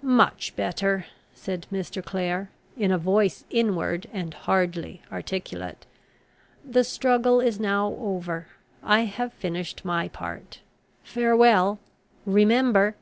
"Much better," said Mr. Clare, in a voice inward and hardly articulate; "the struggle is now over; I have finished my part; farewell! remember!"